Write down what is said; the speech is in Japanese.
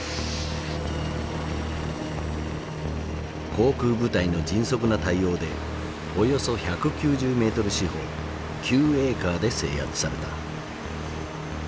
航空部隊の迅速な対応でおよそ１９０メートル四方９エーカーで制圧された。